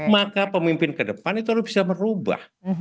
maka pemimpin ke depan itu harus bisa merubah